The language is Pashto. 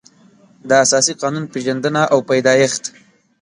د اساسي قانون پېژندنه او پیدایښت